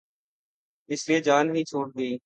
اس لیے جان ہی چھوٹ گئی۔